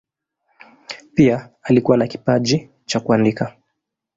Pia alikuwa na kipaji cha kuandika.